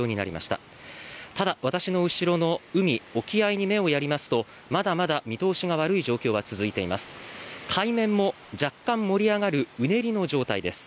ただ、私の後ろの海、沖合に目をやりますとまだまだ見通しが悪い状況が続いています。